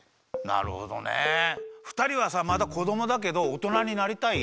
ふたりはさまだこどもだけどおとなになりたい？